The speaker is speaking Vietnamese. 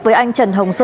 với anh trần hồng sơn